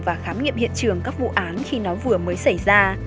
và khám nghiệm hiện trường các vụ án khi nó vừa mới xảy ra